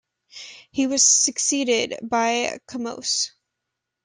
He was succeeded by Kamose.